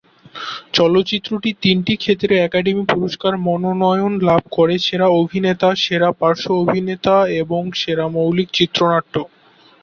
ছবিটি তিনটি ক্ষেত্রে একাডেমি পুরস্কার মনোনয়ন লাভ করে: সেরা অভিনেতা, সেরা পার্শ্ব অভিনেতা এবং সেরা মৌলিক চিত্রনাট্য।